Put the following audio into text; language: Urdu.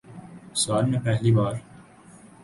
سال میں پہلی بار